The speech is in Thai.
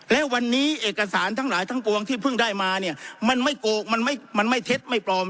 และวันนี้เอกสารทั้งหลายทั้งปวงที่เพิ่งได้มาเนี่ยมันไม่โกงมันไม่เท็จไม่ปลอม